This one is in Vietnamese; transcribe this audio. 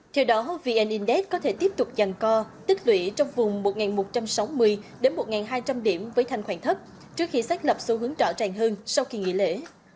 theo đó vn index có thể tiếp tục giàn co tích lũy trong vùng một một trăm sáu mươi đến một hai trăm linh điểm với thanh khoản thấp trước khi xác lập xu hướng rõ ràng hơn sau kỳ nghỉ lễ